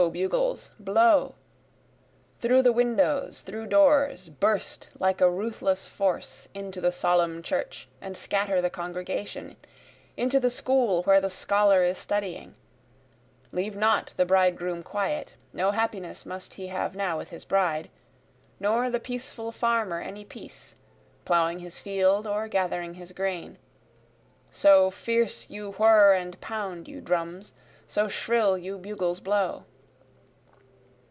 bugles! blow! Through the windows through doors burst like a ruthless force, Into the solemn church, and scatter the congregation, Into the school where the scholar is studying; Leave not the bridegroom quiet no happiness must he have now with his bride, Nor the peaceful farmer any peace, ploughing his field or gathering his grain, So fierce you whirr and pound you drums so shrill you bugles blow.